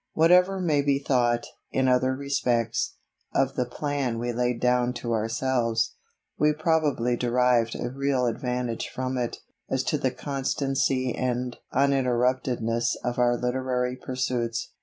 Whatever may be thought, in other respects, of the plan we laid down to ourselves, we probably derived a real advantage from it, as to the constancy and uninterruptedness of our literary pursuits.